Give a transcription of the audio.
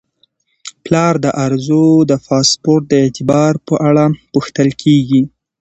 پلار د ارزو د پاسپورت د اعتبار په اړه پوښتل کیږي.